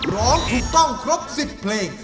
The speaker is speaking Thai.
ร้องถูกต้องครบ๑๐เพลง